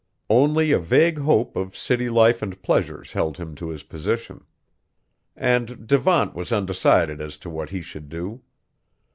Only a vague hope of city life and pleasures held him to his position. And Devant was undecided as to what he should do.